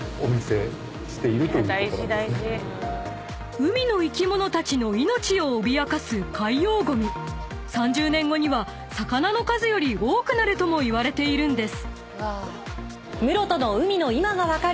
［海の生き物たちの命を脅かす海洋ゴミ］［３０年後には魚の数より多くなるともいわれているんです］